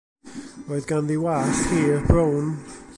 Roedd ganddi wallt hir brown.